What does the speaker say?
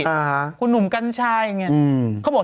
ของคุณสีวิต้ากับคุณกรนิดหนึ่งดีกว่านะครับแฟนแฟนแห่เชียร์หลังเห็นภาพ